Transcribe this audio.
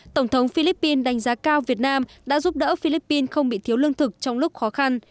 tổng thống philippines đánh giá cao việt nam đã giúp đỡ philippines không bị thiếu lương thực trong lúc khó khăn